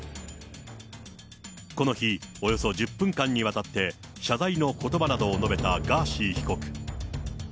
この日、およそ１０分間にわたって、謝罪のことばなどを述べたガーシー被告。